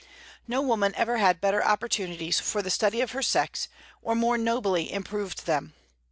No woman ever had better opportunities for the study of her sex, or more nobly improved them.